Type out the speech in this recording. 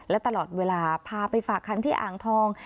และตลอดเวลาพาไปฝากคันที่อ่างทอง